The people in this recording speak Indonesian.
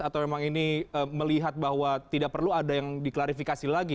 atau memang ini melihat bahwa tidak perlu ada yang diklarifikasi lagi